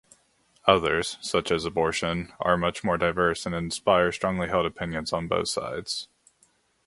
Others-such as abortion-are much more divisive and inspire strongly-held opinions on both sides.